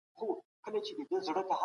حکومت نړیوال قانون نه نقض کوي.